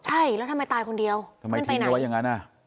ใช่แล้วทำไมตายคนเดียวเพื่อนไปไหนทำไมทิ้งให้ไว้อย่างนั้นอ่ะ